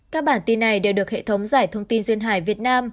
các bản tin này đều được hệ thống giải thông tin duyên hải việt nam